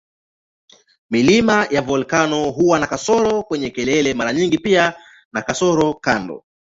Milima ya volkeno huwa na kasoko kwenye kelele mara nyingi pia na kasoko kando.